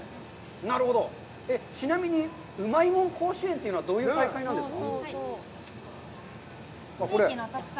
なるほど、ちなみに、うまいもん甲子園というのは、どういう大会なんですか？